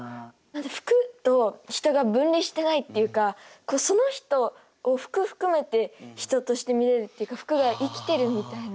服と人が分離してないっていうかその人を服含めて人として見れるっていうか服が生きてるみたいな。